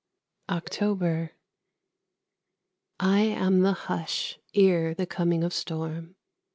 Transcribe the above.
OCTOBER. I am the hush ere the coming of storm.